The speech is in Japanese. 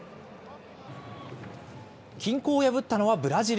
均衡を破ったのはブラジル。